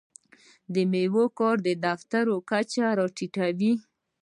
د میرمنو کار د فقر کچه راټیټوي.